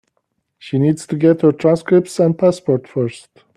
She needs to get her transcripts and passport first.